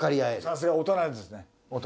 さすが大人ですね大人。